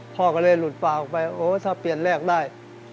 พ่อก็เลยหลุดปากออกไปโอ้ถ้าเปลี่ยนแรกได้